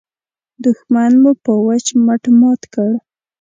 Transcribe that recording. دوښمن مو په وچ مټ مات کړ.